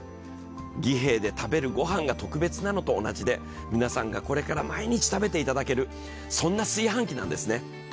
儀兵衛で食べるご飯が特別なのと同じで皆さんがこれから毎日食べていただける、そんな炊飯器なんですね。